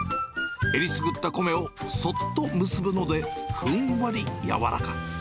えりすぐった米をそっとむすぶので、ふんわり軟らか。